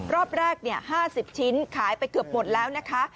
รอบแรก๕๐ชิ้นขายไปเกือบหมดแล้วนะคะ